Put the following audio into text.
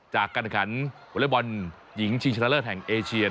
๑๒๓จากการขันบริเวณบอลหญิงชีวิตชาติเลอร์แหล่งเอเชีย